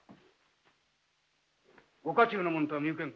ご家中の者とは見受けぬ。